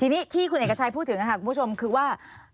ทีนี้ที่คุณเอกชัยพูดถึงค่ะคุณผู้ชมคือว่า